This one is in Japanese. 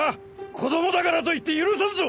子どもだからといって許さんぞ！